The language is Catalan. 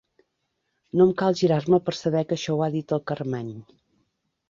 No em cal girar-me per saber que això ho ha dit el Carmany.